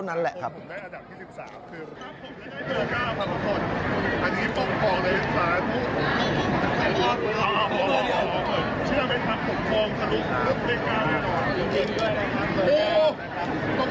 โอ้โฮต้องเลือกเก้าไกร